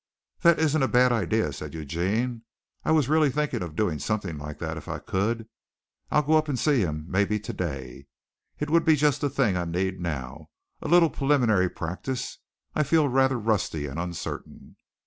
"That isn't a bad idea," said Eugene. "I was really thinking of doing something like that if I could. I'll go up and see him maybe today. It would be just the thing I need now, a little preliminary practise. I feel rather rusty and uncertain."